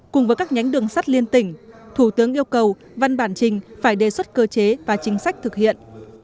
cùng với các nhánh đường sắt liên tỉnh thủ tướng yêu cầu văn bản trình phải đề xuất cơ chế và chính sách thực hiện